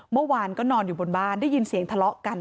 เมื่อวานก็นอนอยู่บนบ้านได้ยินเสียงทะเลาะกัน